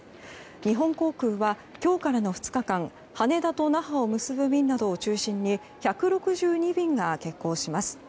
日本航空は今日からの２日間羽田と那覇を結ぶ便などを中心に１６２便が欠航します。